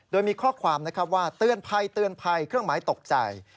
โดยมีข้อความนะครับว่าเตือนภัยเตือนภัยเครื่องหมายตกใจ